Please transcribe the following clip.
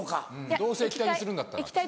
どうせ液体にするんだったら。